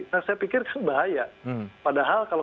nah saya pikir itu bahaya padahal kalau